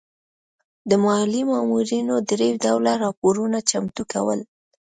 د مالیې مامورینو درې ډوله راپورونه چمتو کول.